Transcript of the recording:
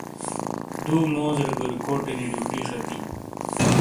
دُو موزیڑے گوریکوٹینی ڈیوٹی شتیِں۔